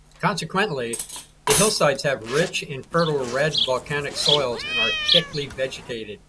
Consequently, their hillsides have rich and fertile red volcanic soils, and are thickly vegetated.